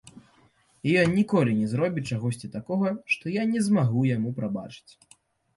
І ён ніколі не зробіць чагосьці такога, што я не змагу яму прабачыць.